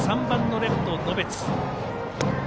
３番のレフト、野別。